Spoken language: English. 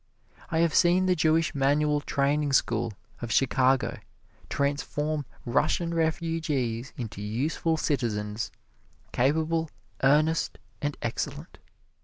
I have seen the Jewish Manual Training School of Chicago transform Russian refugees into useful citizens capable, earnest and excellent.